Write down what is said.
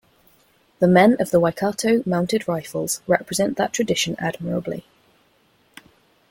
The men of the Waikato Mounted Rifles represent that tradition admirably.